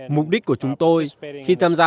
mục đích của chúng tôi khi tham gia